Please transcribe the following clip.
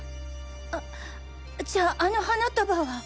あっじゃああの花束は。